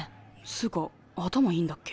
つぅか頭いいんだっけ？